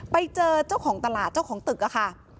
ไปเจอเจ้าของตลาดเจ้าของตึกอะค่ะ